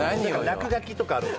落書きとかあるんすよ。